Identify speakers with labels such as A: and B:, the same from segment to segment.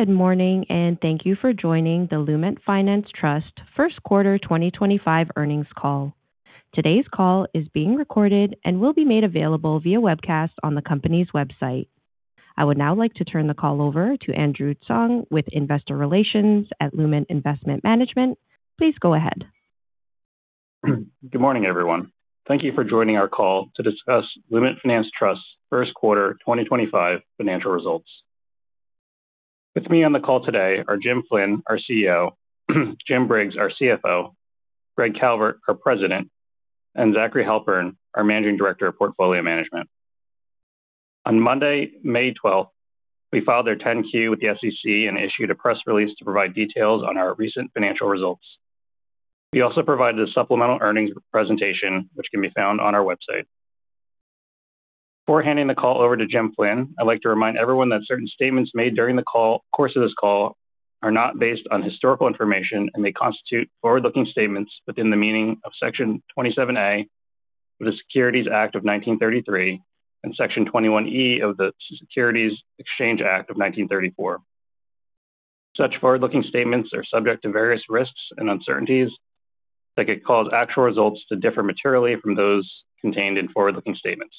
A: Good morning, and thank you for joining the Lument Finance Trust First Quarter 2025 Earnings Call. Today's call is being recorded and will be made available via webcast on the company's website. I would now like to turn the call over to Andrew Tsang with Investor Relations at Lument Investment Management. Please go ahead.
B: Good morning, everyone. Thank you for joining our call to discuss Lument Finance Trust's first quarter 2025 financial results. With me on the call today are Jim Flynn, our CEO; Jim Briggs, our CFO; Greg Calvert, our President; and Zachary Halpern, our Managing Director of Portfolio Management. On Monday, May 12th, we filed our 10-Q with the SEC and issued a press release to provide details on our recent financial results. We also provided a supplemental earnings presentation, which can be found on our website. Before handing the call over to Jim Flynn, I'd like to remind everyone that certain statements made during the course of this call are not based on historical information and may constitute forward-looking statements within the meaning of Section 27A of the Securities Act of 1933 and Section 21E of the Securities Exchange Act of 1934. Such forward-looking statements are subject to various risks and uncertainties that could cause actual results to differ materially from those contained in forward-looking statements.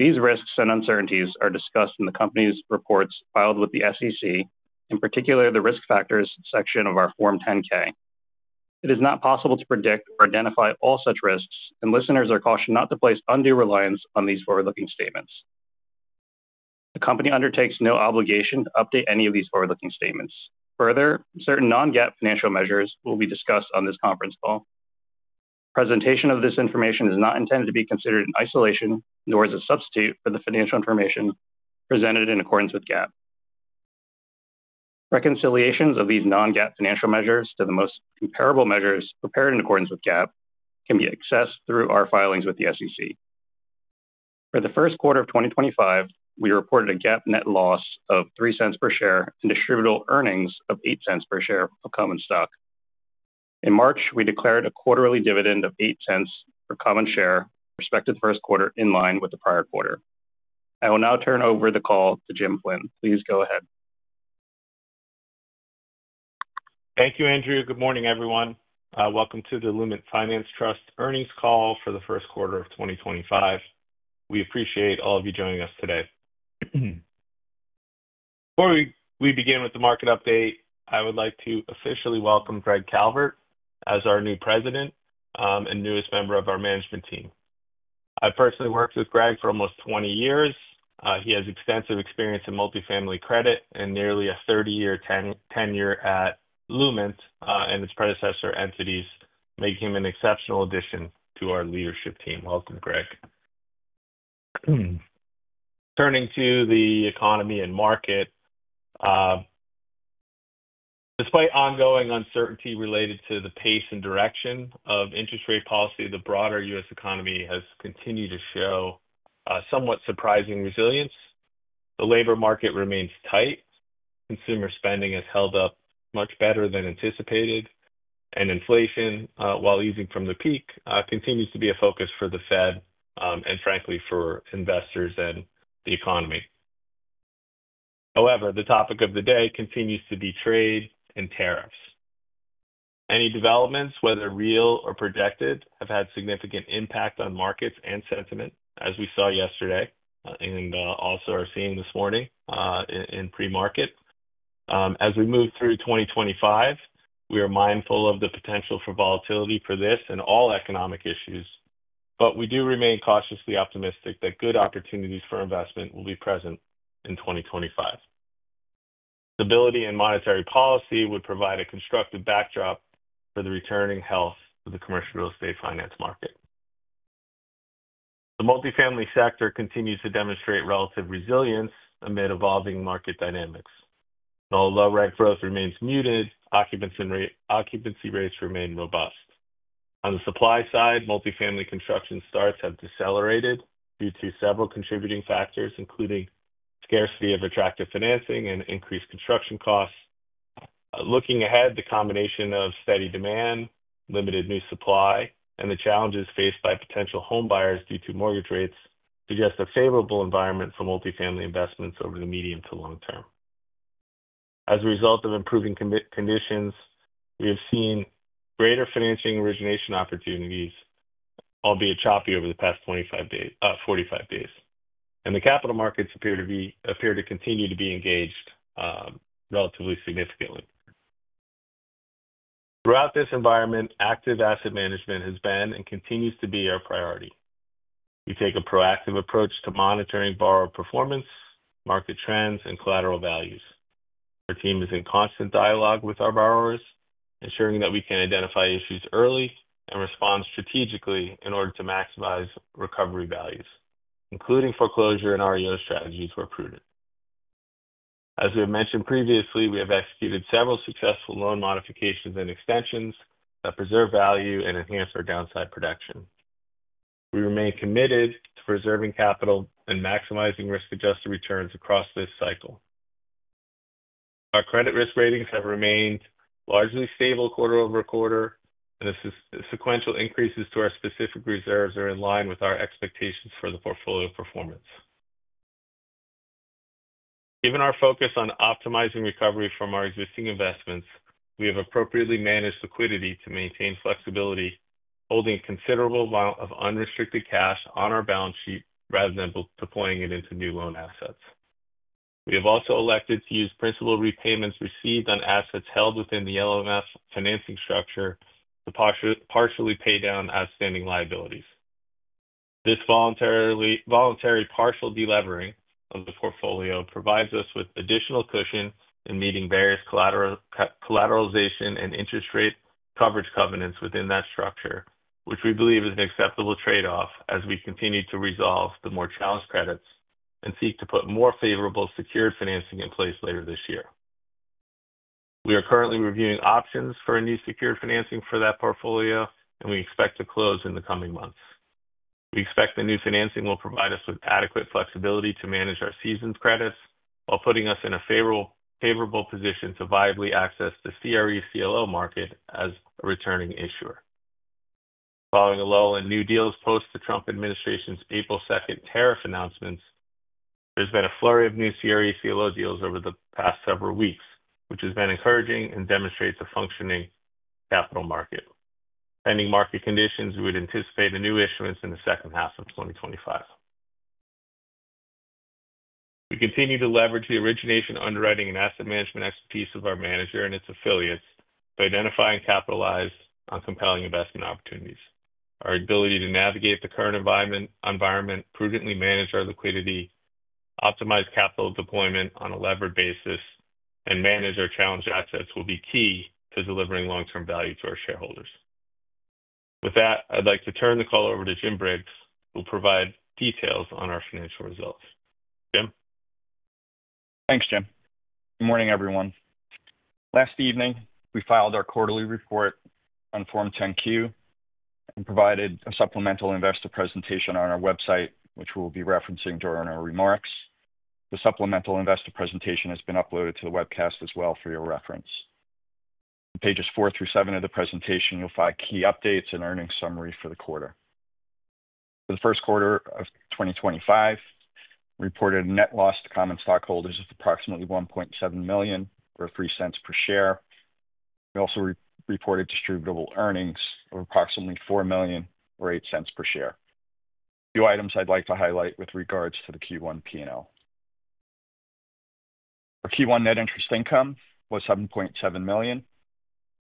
B: These risks and uncertainties are discussed in the company's reports filed with the SEC, in particular the risk factors section of our Form 10-K. It is not possible to predict or identify all such risks, and listeners are cautioned not to place undue reliance on these forward-looking statements. The company undertakes no obligation to update any of these forward-looking statements. Further, certain non-GAAP financial measures will be discussed on this conference call. Presentation of this information is not intended to be considered in isolation, nor is it a substitute for the financial information presented in accordance with GAAP. Reconciliations of these non-GAAP financial measures to the most comparable measures prepared in accordance with GAAP can be accessed through our filings with the SEC. For the first quarter of 2025, we reported a GAAP net loss of $0.03 per share and distributable earnings of $0.08 per share of common stock. In March, we declared a quarterly dividend of $0.08 per common share. Respected first quarter in line with the prior quarter. I will now turn over the call to Jim Flynn. Please go ahead.
C: Thank you, Andrew. Good morning, everyone. Welcome to the Lument Finance Trust Earnings Call for the first quarter of 2025. We appreciate all of you joining us today. Before we begin with the market update, I would like to officially welcome Greg Calvert as our new President and newest member of our management team. I've personally worked with Greg for almost 20 years. He has extensive experience in multifamily credit and nearly a 30-year tenure at Lument and its predecessor entities, making him an exceptional addition to our leadership team. Welcome, Greg. Turning to the economy and market, despite ongoing uncertainty related to the pace and direction of interest rate policy, the broader U.S. economy has continued to show somewhat surprising resilience. The labor market remains tight. Consumer spending has held up much better than anticipated, and inflation, while easing from the peak, continues to be a focus for the Fed and, frankly, for investors and the economy. However, the topic of the day continues to be trade and tariffs. Any developments, whether real or projected, have had significant impact on markets and sentiment, as we saw yesterday and also are seeing this morning in pre-market. As we move through 2025, we are mindful of the potential for volatility for this and all economic issues, but we do remain cautiously optimistic that good opportunities for investment will be present in 2025. Stability in monetary policy would provide a constructive backdrop for the returning health of the commercial real estate finance market. The multifamily sector continues to demonstrate relative resilience amid evolving market dynamics. While low-rent growth remains muted, occupancy rates remain robust. On the supply side, multifamily construction starts have decelerated due to several contributing factors, including scarcity of attractive financing and increased construction costs. Looking ahead, the combination of steady demand, limited new supply, and the challenges faced by potential homebuyers due to mortgage rates suggests a favorable environment for multifamily investments over the medium to long term. As a result of improving conditions, we have seen greater financing origination opportunities, I'll be a choppy, over the past 45 days. The capital markets appear to continue to be engaged relatively significantly. Throughout this environment, active asset management has been and continues to be our priority. We take a proactive approach to monitoring borrower performance, market trends, and collateral values. Our team is in constant dialogue with our borrowers, ensuring that we can identify issues early and respond strategically in order to maximize recovery values, including foreclosure and REO strategies where prudent. As we have mentioned previously, we have executed several successful loan modifications and extensions that preserve value and enhance our downside protection. We remain committed to preserving capital and maximizing risk-adjusted returns across this cycle. Our credit risk ratings have remained largely stable quarter-over-quarter, and the sequential increases to our specific reserves are in line with our expectations for the portfolio performance. Given our focus on optimizing recovery from our existing investments, we have appropriately managed liquidity to maintain flexibility, holding a considerable amount of unrestricted cash on our balance sheet rather than deploying it into new loan assets. We have also elected to use principal repayments received on assets held within the LMF financing structure to partially pay down outstanding liabilities. This voluntary partial delevering of the portfolio provides us with additional cushion in meeting various collateralization and interest rate coverage covenants within that structure, which we believe is an acceptable trade-off as we continue to resolve the more challenged credits and seek to put more favorable secured financing in place later this year. We are currently reviewing options for a new secured financing for that portfolio, and we expect to close in the coming months. We expect the new financing will provide us with adequate flexibility to manage our season's credits while putting us in a favorable position to viably access the CRECLO market as a returning issuer. Following a lull in new deals post the Trump administration's April 2, 2018 tariff announcements, there's been a flurry of new CRECLO deals over the past several weeks, which has been encouraging and demonstrates a functioning capital market. Pending market conditions, we would anticipate a new issuance in the second half of 2025. We continue to leverage the origination, underwriting, and asset management expertise of our manager and its affiliates to identify and capitalize on compelling investment opportunities. Our ability to navigate the current environment, prudently manage our liquidity, optimize capital deployment on a levered basis, and manage our challenged assets will be key to delivering long-term value to our shareholders. With that, I'd like to turn the call over to Jim Briggs, who will provide details on our financial results. Jim?
D: Thanks, Jim. Good morning, everyone. Last evening, we filed our quarterly report on Form 10-Q and provided a supplemental investor presentation on our website, which we will be referencing during our remarks. The supplemental investor presentation has been uploaded to the webcast as well for your reference. On pages four through seven of the presentation, you'll find key updates and earnings summary for the quarter. For the first quarter of 2025, we reported a net loss to common stockholders of approximately $1.7 million or $0.03 per share. We also reported distributable earnings of approximately $4 million or $0.08 per share. Two items I'd like to highlight with regards to the Q1 P&L. Our Q1 net interest income was $7.7 million,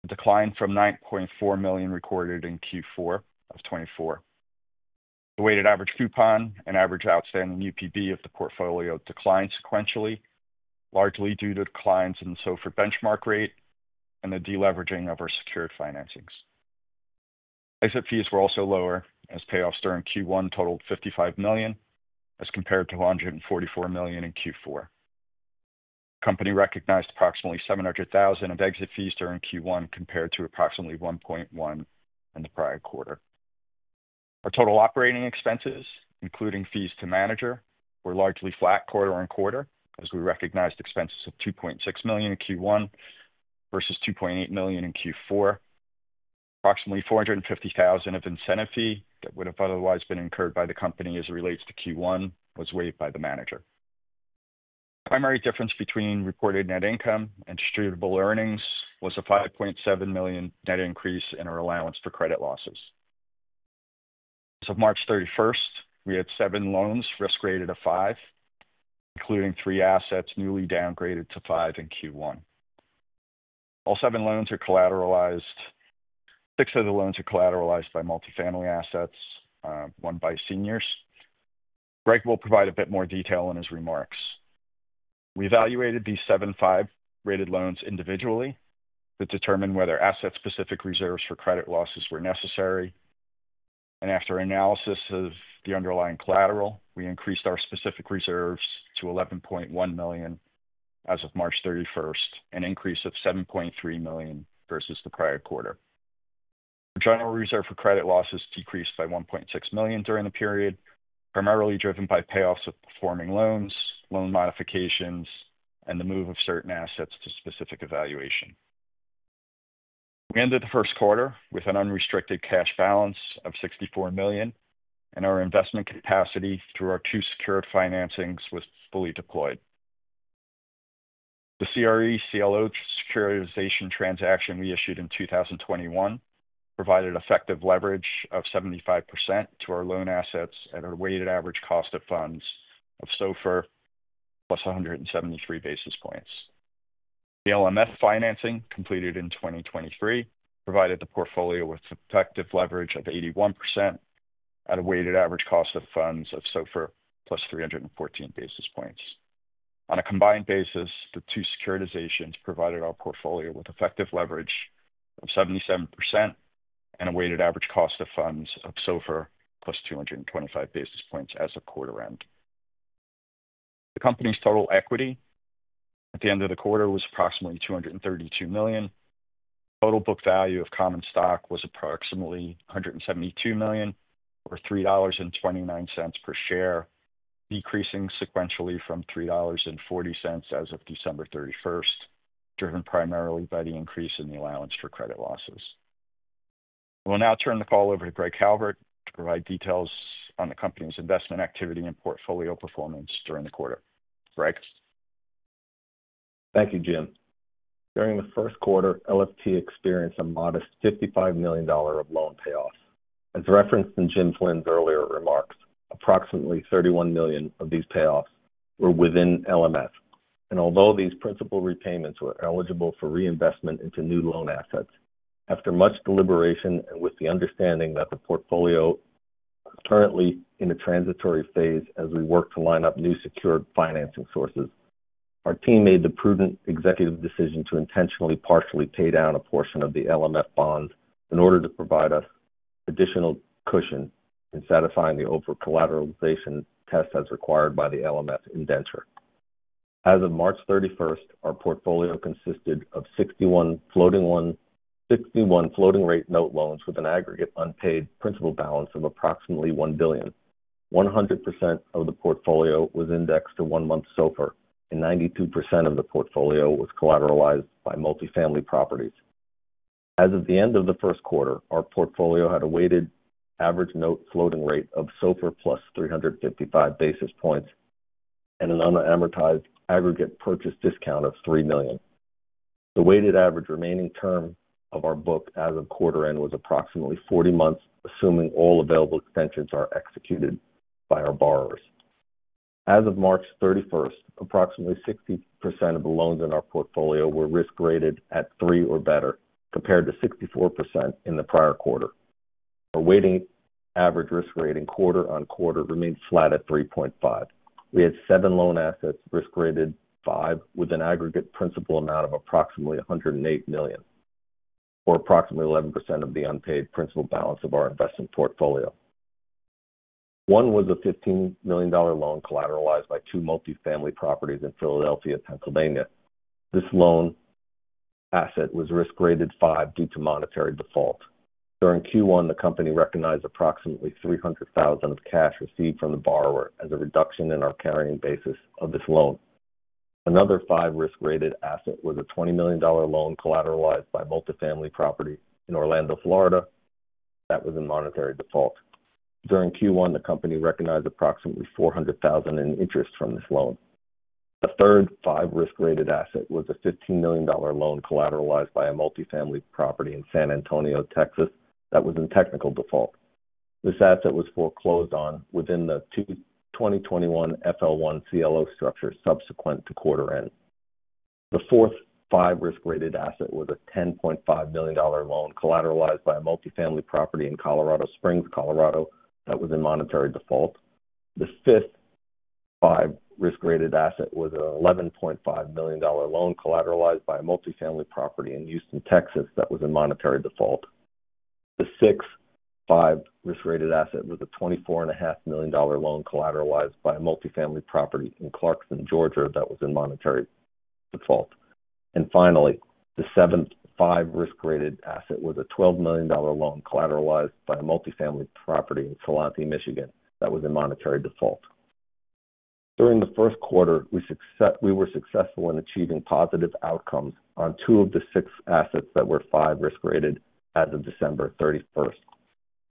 D: a decline from $9.4 million recorded in Q4 of 2024. The weighted average coupon and average outstanding UPB of the portfolio declined sequentially, largely due to declines in the SOFR benchmark rate and the deleveraging of our secured financings. Exit fees were also lower, as payoffs during Q1 totaled $55 million as compared to $144 million in Q4. The company recognized approximately $700,000 of exit fees during Q1 compared to approximately $1.1 million in the prior quarter. Our total operating expenses, including fees to manager, were largely flat quarter on quarter, as we recognized expenses of $2.6 million in Q1 versus $2.8 million in Q4. Approximately $450,000 of incentive fee that would have otherwise been incurred by the company as it relates to Q1 was waived by the manager. The primary difference between reported net income and distributable earnings was a $5.7 million net increase in our allowance for credit losses. As of March 31, we had seven loans risk-rated at five, including three assets newly downgraded to five in Q1. All seven loans are collateralized; six of the loans are collateralized by multifamily assets, one by seniors. Greg will provide a bit more detail in his remarks. We evaluated these seven five-rated loans individually to determine whether asset-specific reserves for credit losses were necessary. After analysis of the underlying collateral, we increased our specific reserves to $11.1 million as of March 31, an increase of $7.3 million versus the prior quarter. Our general reserve for credit losses decreased by $1.6 million during the period, primarily driven by payoffs of performing loans, loan modifications, and the move of certain assets to specific evaluation. We ended the first quarter with an unrestricted cash balance of $64 million, and our investment capacity through our two secured financings was fully deployed. The CRECLO securitization transaction we issued in 2021 provided effective leverage of 75% to our loan assets at a weighted average cost of funds of SOFR plus 173 basis points. The LMF financing completed in 2023 provided the portfolio with effective leverage of 81% at a weighted average cost of funds of SOFR plus 314 basis points. On a combined basis, the two securitizations provided our portfolio with effective leverage of 77% and a weighted average cost of funds of SOFR plus 225 basis points as of quarter end. The company's total equity at the end of the quarter was approximately $232 million. Total book value of common stock was approximately $172 million or $3.29 per share, decreasing sequentially from $3.40 as of December 31, driven primarily by the increase in the allowance for credit losses. I will now turn the call over to Greg Calvert to provide details on the company's investment activity and portfolio performance during the quarter. Greg?
E: Thank you, Jim. During the first quarter, LFT experienced a modest $55 million of loan payoffs. As referenced in Jim Flynn's earlier remarks, approximately $31 million of these payoffs were within LMF. Although these principal repayments were eligible for reinvestment into new loan assets, after much deliberation and with the understanding that the portfolio is currently in a transitory phase as we work to line up new secured financing sources, our team made the prudent executive decision to intentionally partially pay down a portion of the LMF bonds in order to provide us additional cushion in satisfying the over-collateralization test as required by the LMF indenture. As of March 31, our portfolio consisted of 61 floating rate note loans with an aggregate unpaid principal balance of approximately $1 billion. 100% of the portfolio was indexed to one-month SOFR, and 92% of the portfolio was collateralized by multifamily properties. As of the end of the first quarter, our portfolio had a weighted average note floating rate of SOFR plus 355 basis points and an unamortized aggregate purchase discount of $3 million. The weighted average remaining term of our book as of quarter end was approximately 40 months, assuming all available extensions are executed by our borrowers. As of March 31, approximately 60% of the loans in our portfolio were risk-rated at three or better, compared to 64% in the prior quarter. Our weighted average risk rating quarter on quarter remained flat at 3.5. We had seven loan assets risk-rated five, with an aggregate principal amount of approximately $108 million, or approximately 11% of the unpaid principal balance of our investment portfolio. One was a $15 million loan collateralized by two multifamily properties in Philadelphia, Pennsylvania. This loan asset was risk-rated five due to monetary default. During Q1, the company recognized approximately $300,000 of cash received from the borrower as a reduction in our carrying basis of this loan. Another five risk-rated asset was a $20 million loan collateralized by multifamily property in Orlando, Florida that was in monetary default. During Q1, the company recognized approximately $400,000 in interest from this loan. A third five risk-rated asset was a $15 million loan collateralized by a multifamily property in San Antonio, Texas, that was in technical default. This asset was foreclosed on within the 2021 FL1 CLO structure subsequent to quarter end. The fourth five risk-rated asset was a $10.5 million loan collateralized by a multifamily property in Colorado Springs, Colorado that was in monetary default. The fifth five risk-rated asset was an $11.5 million loan collateralized by a multifamily property in Houston, Texas, that was in monetary default. The sixth five risk-rated asset was a $24.5 million loan collateralized by a multifamily property in Clarkson, Georgia, that was in monetary default. Finally, the seventh five risk-rated asset was a $12 million loan collateralized by a multifamily property in Saline, Michigan, that was in monetary default. During the first quarter, we were successful in achieving positive outcomes on two of the six assets that were five risk-rated as of December 31.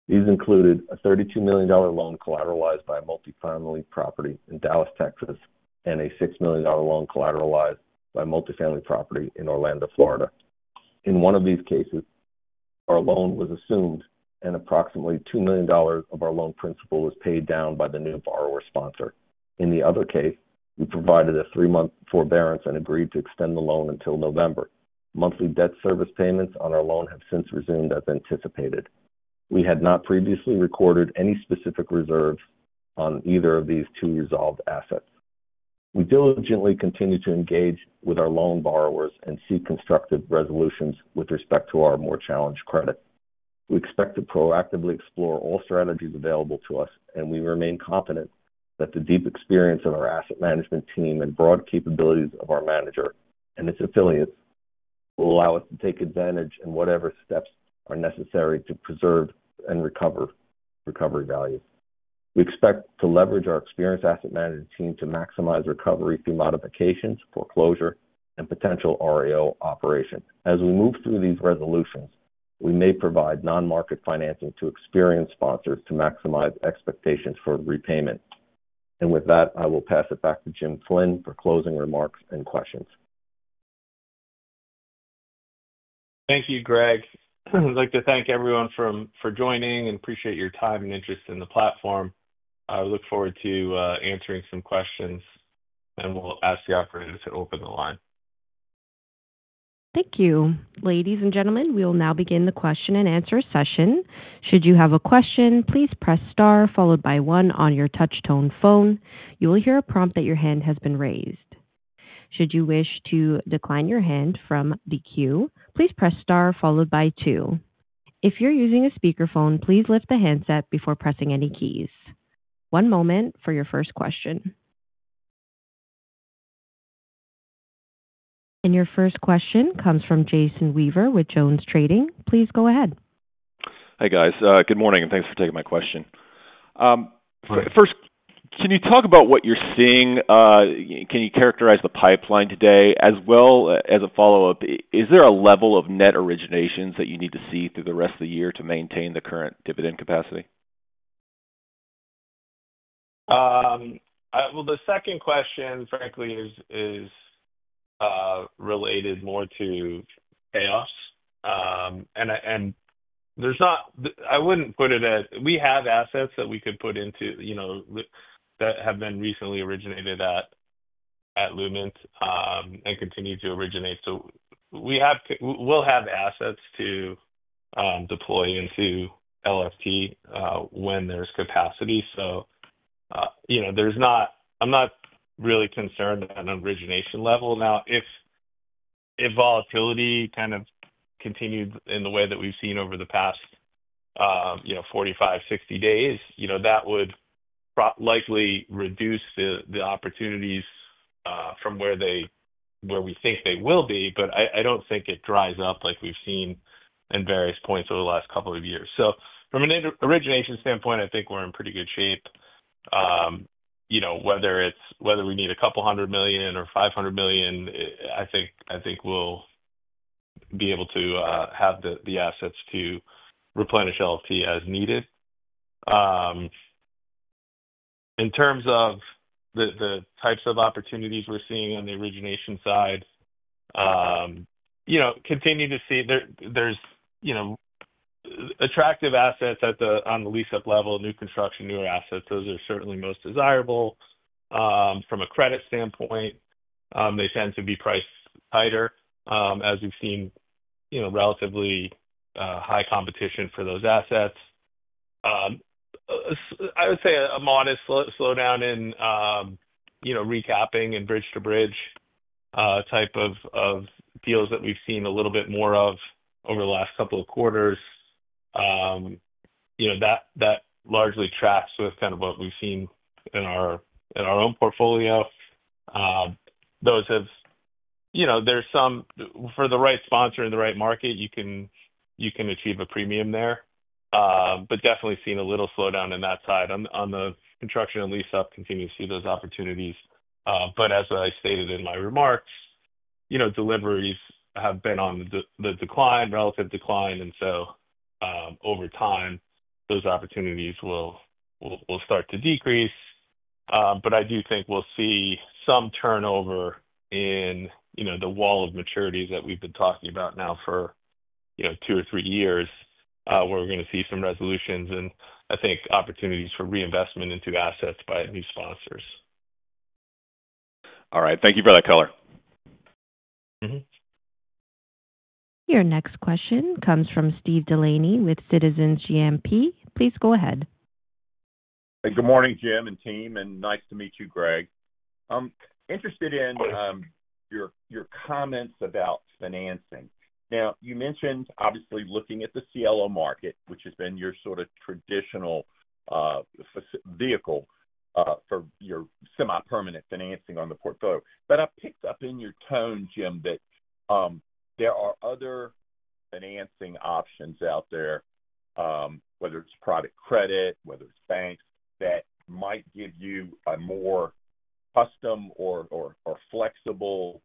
E: These included a $32 million loan collateralized by a multifamily property in Dallas, Texas, and a $6 million loan collateralized by a multifamily property in Orlando, Florida. In one of these cases, our loan was assumed, and approximately $2 million of our loan principal was paid down by the new borrower sponsor. In the other case, we provided a three-month forbearance and agreed to extend the loan until November. Monthly debt service payments on our loan have since resumed as anticipated. We had not previously recorded any specific reserves on either of these two resolved assets. We diligently continue to engage with our loan borrowers and seek constructive resolutions with respect to our more challenged credit. We expect to proactively explore all strategies available to us, and we remain confident that the deep experience of our asset management team and broad capabilities of our manager and its affiliates will allow us to take advantage in whatever steps are necessary to preserve and recover recovery value. We expect to leverage our experienced asset management team to maximize recovery through modifications, foreclosure, and potential REO operation. As we move through these resolutions, we may provide non-market financing to experienced sponsors to maximize expectations for repayment. I will pass it back to Jim Flynn for closing remarks and questions.
C: Thank you, Greg. I'd like to thank everyone for joining and appreciate your time and interest in the platform. I look forward to answering some questions, and we'll ask the operators to open the line.
A: Thank you. Ladies and gentlemen, we will now begin the question and answer session. Should you have a question, please press star followed by one on your touch-tone phone. You will hear a prompt that your hand has been raised. Should you wish to decline your hand from the queue, please press star followed by two. If you're using a speakerphone, please lift the handset before pressing any keys. One moment for your first question. Your first question comes from Jason Weaver with JonesTrading. Please go ahead.
F: Hi, guys. Good morning, and thanks for taking my question. First, can you talk about what you're seeing? Can you characterize the pipeline today? As well as a follow-up, is there a level of net originations that you need to see through the rest of the year to maintain the current dividend capacity?
C: The second question, frankly, is related more to payoffs. I would not put it at we have assets that we could put into that have been recently originated at Lument and continue to originate. We will have assets to deploy into LFT when there is capacity. I am not really concerned at an origination level. Now, if volatility kind of continued in the way that we have seen over the past 45-60 days, that would likely reduce the opportunities from where we think they will be. I do not think it dries up like we have seen in various points over the last couple of years. From an origination standpoint, I think we are in pretty good shape. Whether we need a couple hundred million or $500 million, I think we will be able to have the assets to replenish LFT as needed. In terms of the types of opportunities we're seeing on the origination side, continue to see there's attractive assets on the lease-up level, new construction, newer assets. Those are certainly most desirable. From a credit standpoint, they tend to be priced tighter, as we've seen relatively high competition for those assets. I would say a modest slowdown in recapping and bridge-to-bridge type of deals that we've seen a little bit more of over the last couple of quarters. That largely tracks with kind of what we've seen in our own portfolio. There's some, for the right sponsor in the right market, you can achieve a premium there. Definitely seen a little slowdown in that side. On the construction and lease-up, continue to see those opportunities. As I stated in my remarks, deliveries have been on the decline, relative decline. Over time, those opportunities will start to decrease. I do think we'll see some turnover in the wall of maturities that we've been talking about now for two or three years, where we're going to see some resolutions and, I think, opportunities for reinvestment into assets by new sponsors.
F: All right. Thank you for that, Keller.
A: Your next question comes from Steve Delaney with Citizens JMP. Please go ahead.
G: Good morning, Jim and team, and nice to meet you, Greg. Interested in your comments about financing. Now, you mentioned, obviously, looking at the CLO market, which has been your sort of traditional vehicle for your semi-permanent financing on the portfolio. I picked up in your tone, Jim, that there are other financing options out there, whether it's private credit, whether it's banks, that might give you a more custom or flexible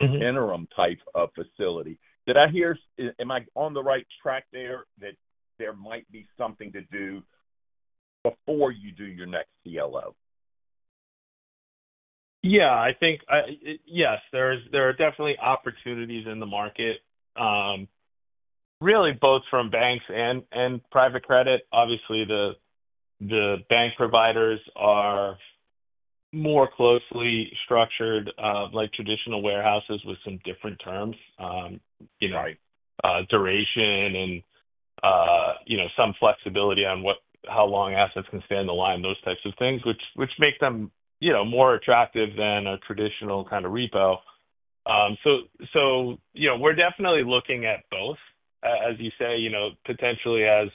G: interim type of facility. Am I on the right track there that there might be something to do before you do your next CLO?
C: Yeah. I think, yes, there are definitely opportunities in the market, really both from banks and private credit. Obviously, the bank providers are more closely structured, like traditional warehouses, with some different terms, like duration and some flexibility on how long assets can stand the line, those types of things, which make them more attractive than a traditional kind of repo. We are definitely looking at both, as you say, potentially as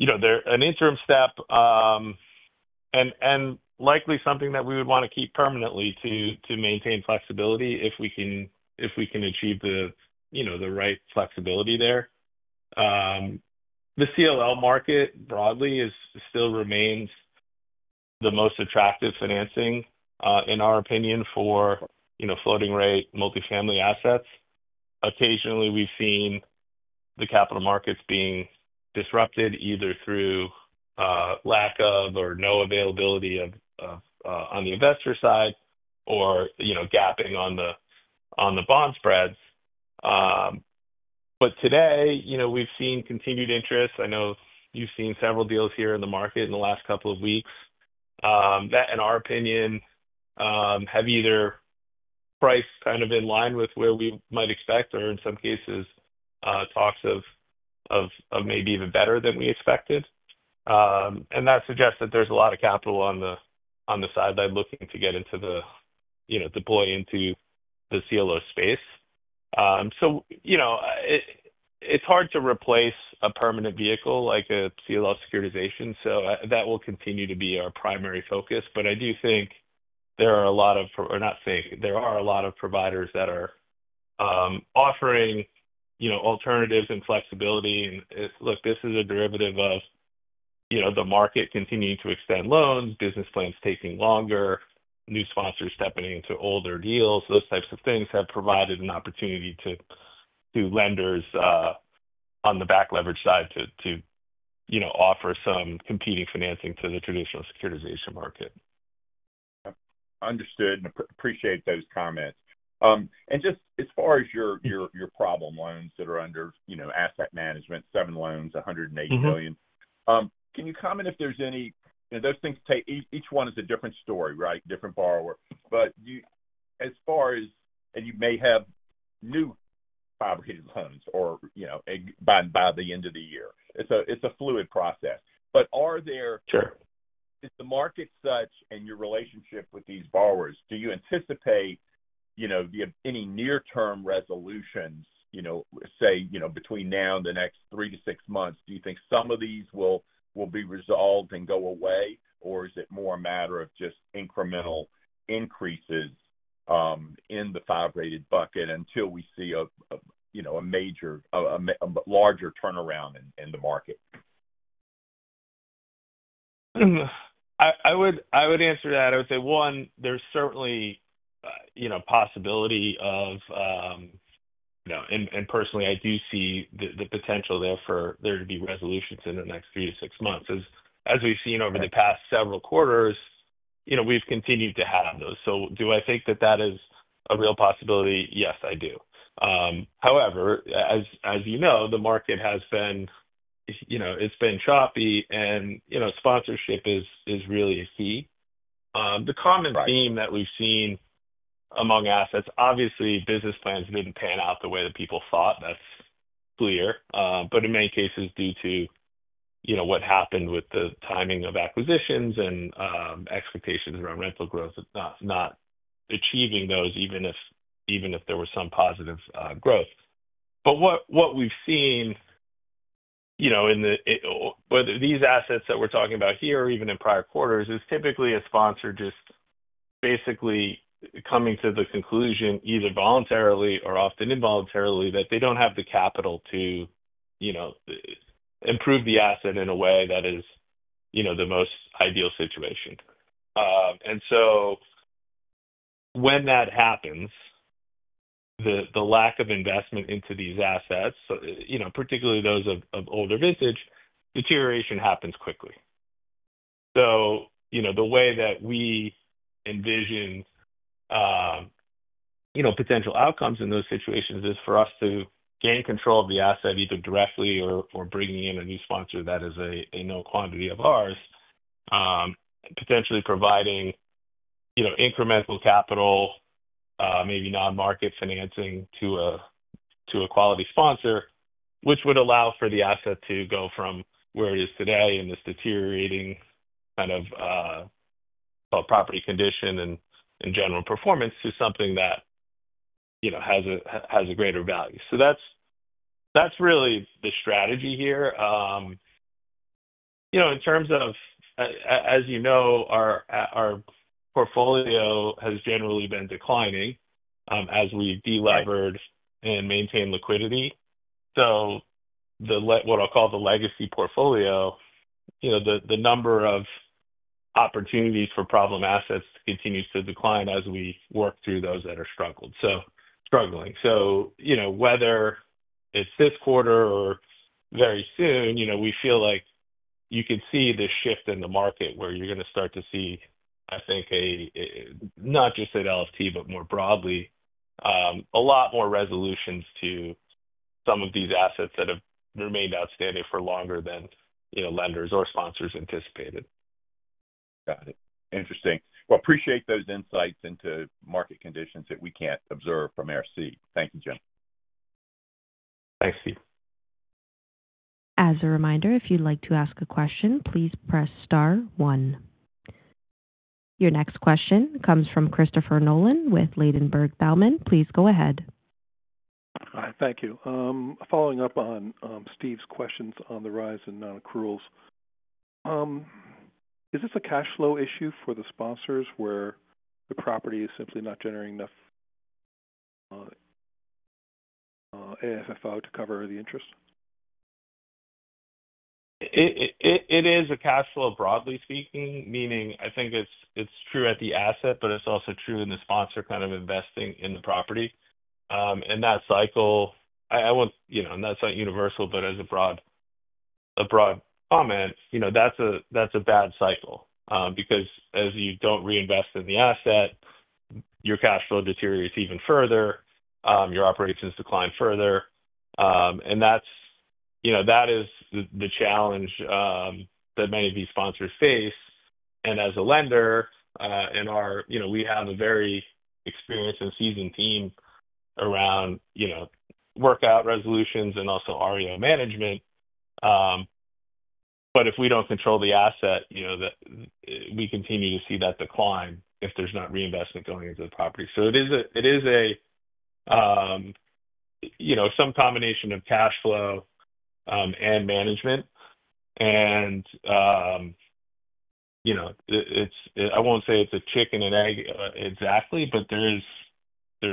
C: an interim step and likely something that we would want to keep permanently to maintain flexibility if we can achieve the right flexibility there. The CLO market broadly still remains the most attractive financing, in our opinion, for floating-rate multifamily assets. Occasionally, we have seen the capital markets being disrupted either through lack of or no availability on the investor side or gapping on the bond spreads. Today, we have seen continued interest. I know you've seen several deals here in the market in the last couple of weeks that, in our opinion, have either priced kind of in line with where we might expect or, in some cases, talks of maybe even better than we expected. That suggests that there's a lot of capital on the sideline looking to get into the deploy into the CLO space. It's hard to replace a permanent vehicle like a CLO securitization. That will continue to be our primary focus. I do think there are a lot of, or not think. There are a lot of providers that are offering alternatives and flexibility. Look, this is a derivative of the market continuing to extend loans, business plans taking longer, new sponsors stepping into older deals. Those types of things have provided an opportunity to lenders on the back-leverage side to offer some competing financing to the traditional securitization market.
G: Understood. Appreciate those comments. Just as far as your problem loans that are under asset management, seven loans, $180 million, can you comment if there's any, those things take, each one is a different story, right? Different borrower. As far as, and you may have new fabricated loans or by the end of the year. It's a fluid process. Is the market such, and your relationship with these borrowers, do you anticipate any near-term resolutions, say, between now and the next three to six months? Do you think some of these will be resolved and go away, or is it more a matter of just incremental increases in the fabricated bucket until we see a larger turnaround in the market?
C: I would answer that. I would say, one, there's certainly a possibility of, and personally, I do see the potential there to be resolutions in the next three to six months. As we've seen over the past several quarters, we've continued to have those. Do I think that that is a real possibility? Yes, I do. However, as you know, the market has been, it's been choppy, and sponsorship is really a key. The common theme that we've seen among assets, obviously, business plans didn't pan out the way that people thought. That's clear. In many cases, due to what happened with the timing of acquisitions and expectations around rental growth, not achieving those, even if there was some positive growth. What we have seen in these assets that we are talking about here, even in prior quarters, is typically a sponsor just basically coming to the conclusion, either voluntarily or often involuntarily, that they do not have the capital to improve the asset in a way that is the most ideal situation. When that happens, the lack of investment into these assets, particularly those of older vintage, deterioration happens quickly. The way that we envision potential outcomes in those situations is for us to gain control of the asset, either directly or bringing in a new sponsor that is a known quantity of ours, potentially providing incremental capital, maybe non-market financing to a quality sponsor, which would allow for the asset to go from where it is today in this deteriorating kind of property condition and general performance to something that has a greater value. That's really the strategy here. In terms of, as you know, our portfolio has generally been declining as we deleverage and maintain liquidity. What I'll call the legacy portfolio, the number of opportunities for problem assets continues to decline as we work through those that are struggling. Whether it's this quarter or very soon, we feel like you can see the shift in the market where you're going to start to see, I think, not just at LFT, but more broadly, a lot more resolutions to some of these assets that have remained outstanding for longer than lenders or sponsors anticipated.
G: Got it. Interesting. I appreciate those insights into market conditions that we can't observe from our seat. Thank you, Jim.
C: Thanks, Steve.
A: As a reminder, if you'd like to ask a question, please press star one. Your next question comes from Christopher Nolan with Ladenburg Thalmann. Please go ahead.
H: Hi. Thank you. Following up on Steve's questions on the rise in non-accruals, is this a cash flow issue for the sponsors where the property is simply not generating enough AFFO to cover the interest?
C: It is a cash flow, broadly speaking, meaning I think it's true at the asset, but it's also true in the sponsor kind of investing in the property. That cycle, I won't—and that's not universal, but as a broad comment, that's a bad cycle because as you don't reinvest in the asset, your cash flow deteriorates even further. Your operations decline further. That is the challenge that many of these sponsors face. As a lender, we have a very experienced and seasoned team around workout resolutions and also REO management. If we don't control the asset, we continue to see that decline if there's not reinvestment going into the property. It is some combination of cash flow and management. I won't say it's a chicken and egg exactly, but there's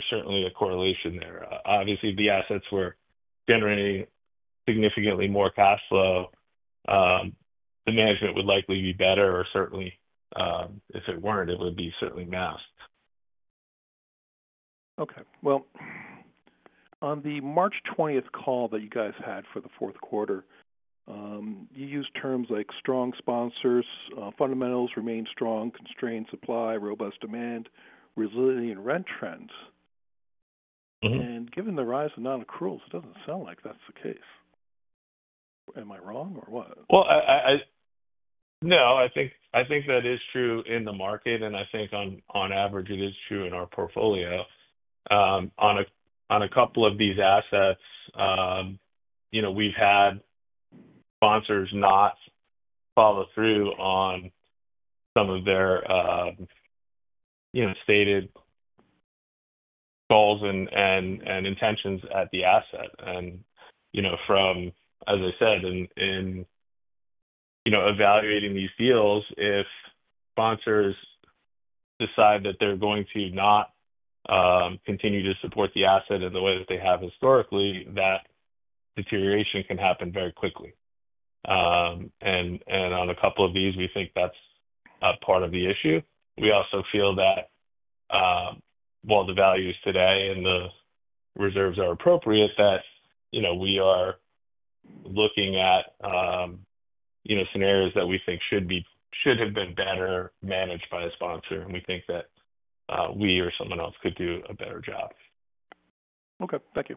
C: certainly a correlation there. Obviously, if the assets were generating significantly more cash flow, the management would likely be better. Or certainly, if it were not, it would be certainly mass.
H: Okay. On the March 20th call that you guys had for the fourth quarter, you used terms like strong sponsors, fundamentals remain strong, constrained supply, robust demand, resilient rent trends. Given the rise of non-accruals, it doesn't sound like that's the case. Am I wrong or what?
C: I think that is true in the market. I think on average, it is true in our portfolio. On a couple of these assets, we've had sponsors not follow through on some of their stated goals and intentions at the asset. As I said, in evaluating these deals, if sponsors decide that they're going to not continue to support the asset in the way that they have historically, that deterioration can happen very quickly. On a couple of these, we think that's part of the issue. We also feel that while the value is today and the reserves are appropriate, we are looking at scenarios that we think should have been better managed by a sponsor. We think that we or someone else could do a better job.
H: Okay. Thank you.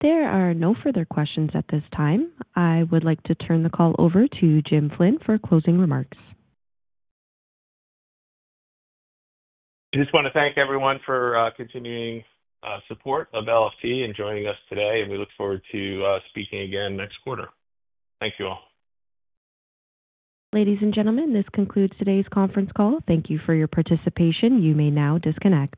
A: There are no further questions at this time. I would like to turn the call over to Jim Flynn for closing remarks.
C: I just want to thank everyone for continuing support of LFT and joining us today. We look forward to speaking again next quarter. Thank you all.
A: Ladies and gentlemen, this concludes today's conference call. Thank you for your participation. You may now disconnect.